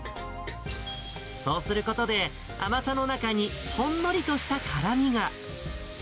そうすることで、甘さの中にほんのりとした辛みが。